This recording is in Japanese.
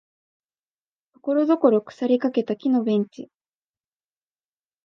ところどころ腐りかけた木のベンチ